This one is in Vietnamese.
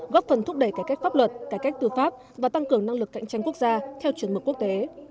góp phần thúc đẩy cải cách pháp luật cải cách tư pháp và tăng cường năng lực cạnh tranh quốc gia theo chuẩn mực quốc tế